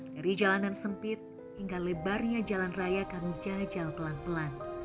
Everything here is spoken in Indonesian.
dari jalanan sempit hingga lebarnya jalan raya kami jajal pelan pelan